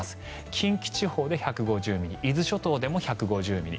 近畿地方で１５０ミリ伊豆諸島でも１５０ミリ